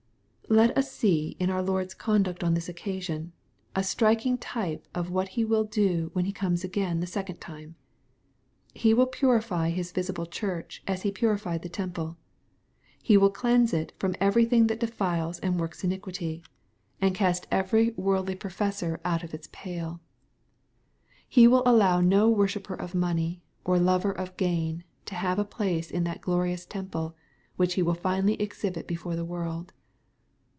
Let us see in our Lord's conduct on this occasion, a striking type of what He will do when He comes again the second time. He will purify His visible church aa He purified the temple. He will cleanse it from every thing that defiles and works iniquity, and cast every MATTHEW, CHAP. XXI. 269 woildly professor out of its pale. He will allow no worshipper of money, or lover of gain, to have a place in that glorious temple, which He will finally exhibit before the world.